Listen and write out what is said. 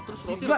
terus disini lah